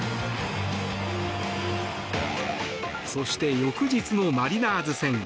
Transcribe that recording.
そして、翌日のマリナーズ戦。